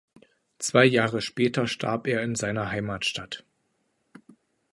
Zwei Jahre später starb er in seiner Heimatstadt.